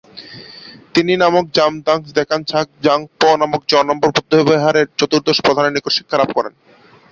তিনি নামক 'জাম-দ্ব্যাংস-দ্কোন-ম্ছোগ-ব্জাং-পো নামক জো-নম্বর বৌদ্ধবিহারের চতুর্দশ প্রধানের নিকট শিক্ষালাভ করেন।